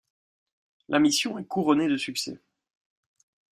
La mission est couronnée de succès.